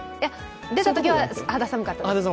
出たときは肌寒かったです。